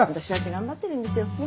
私だって頑張ってるんですよ。